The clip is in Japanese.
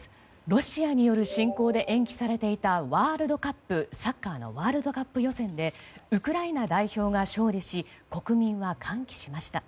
ロシアによる侵攻で延期されていたサッカーのワールドカップ予選でウクライナ代表が勝利し国民は歓喜しました。